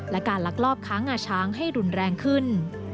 และการลักลอบค้างงาช้างให้รุนแรงขึ้น